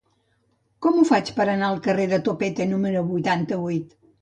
Com ho faig per anar al carrer de Topete número vuitanta-vuit?